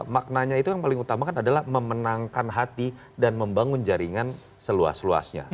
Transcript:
maknanya itu yang paling utama kan adalah memenangkan hati dan membangun jaringan seluas luasnya